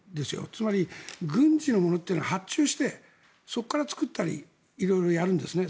つまり、軍事のものというのは発注してそこから作ったり色々やるんですね。